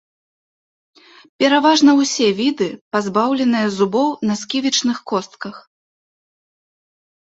Пераважна ўсе віды пазбаўленыя зубоў на сківічных костках.